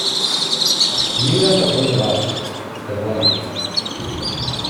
¡ Mira por dónde vas! Perdona.